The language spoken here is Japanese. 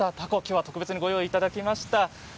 きょうは特別にご用意いただきました。